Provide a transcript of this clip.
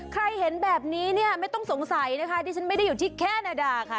เห็นแบบนี้เนี่ยไม่ต้องสงสัยนะคะดิฉันไม่ได้อยู่ที่แคนาดาค่ะ